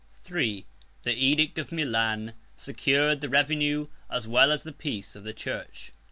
III. The edict of Milan secured the revenue as well as the peace of the church.